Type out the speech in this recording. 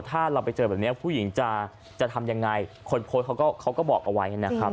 ถ้าเราไปเจอแบบนี้ผู้หญิงจะทำยังไงคนโพสต์เขาก็บอกเอาไว้นะครับ